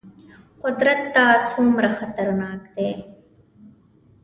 قدرت ته څومره خطرناک دي.